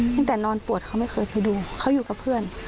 ตั้งแต่นอนปวดเขาไม่เคยไปดูเขาอยู่กับเพื่อน